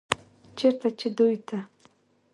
چرته چې دوي ته